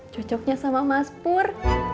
cocoknya sama mas pur